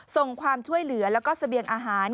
ส่งความช่วยเหลือแล้วก็เสบียงอาหาร